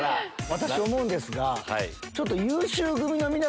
私思うんですが。